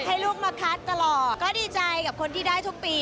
ให้ลูกมาคัดตลอดก็ดีใจกับคนที่ได้ทุกปี